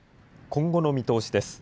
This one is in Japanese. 今後の見通しです。